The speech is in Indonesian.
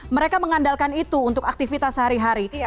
mereka mengandalkan itu untuk aktivitas sehari hari